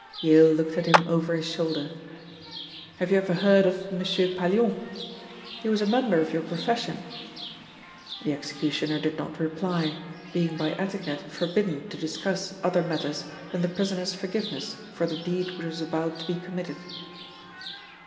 Yale looked at him over his shoulder. "Have you ever heard of M. Pallion? He was a member of your profession." The executioner did not reply, being by etiquette forbidden to discuss other matters than the prisoner's forgiveness for the deed which was about to be committed.